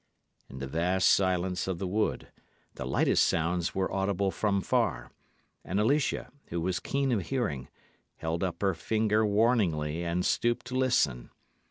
In the vast silence of the wood, the lightest sounds were audible from far; and Alicia, who was keen of hearing, held up her finger warningly and stooped to listen.